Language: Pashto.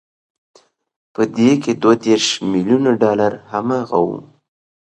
په دې کې دوه دېرش ميليونه ډالر هماغه وو.